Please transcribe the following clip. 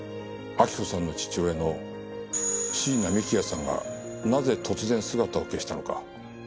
亜希子さんの父親の椎名幹也さんがなぜ突然姿を消したのか。